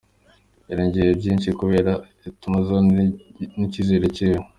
Yirengagije vyinshi kubera intumero n’icizere ciwe.